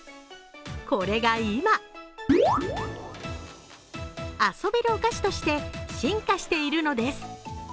これが今、遊べるお菓子として進化しているのです。